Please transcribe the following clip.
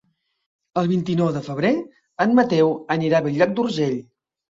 El vint-i-nou de febrer en Mateu anirà a Bell-lloc d'Urgell.